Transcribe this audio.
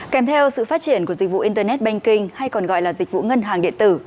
kèm theo sự phát triển của dịch vụ internet banking hay còn gọi là dịch vụ ngân hàng điện tử